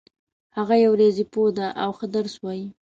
هغه یو ریاضي پوه ده او ښه درس وایي